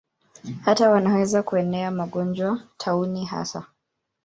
Hata wanaweza kuenea magonjwa, tauni hasa.